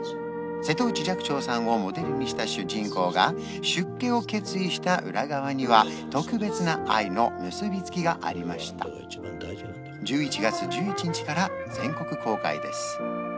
瀬戸内寂聴さんをモデルにした主人公が出家を決意した裏側には特別な愛の結びつきがありました１１月１１日から全国公開です